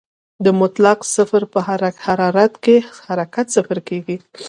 د مطلق صفر په حرارت کې حرکت صفر کېږي.